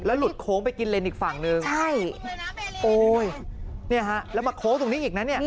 แล้วหลุดโค้งไปกินเลนส์อีกฝั่งหนึ่งโอ้ยนี่ฮะแล้วมาโค้งตรงนี้อีกนะ